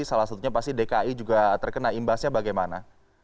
salah satunya pasti dki juga terkena imbasnya bagaimana